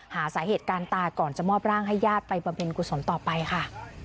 หาสาเหตุการณ์ตายก่อนจะมอบร่างให้ญาติไปบำเพ็ญกุศลต่อไปค่ะ